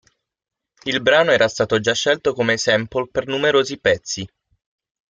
Il brano era stato già scelto come sample per numerosi pezzi.